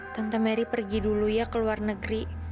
tante mary pergi dulu ya ke luar negeri